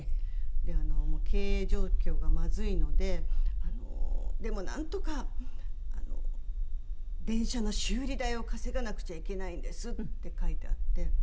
で「経営状況がまずいのででもなんとか電車の修理代を稼がなくちゃいけないんです」って書いてあって。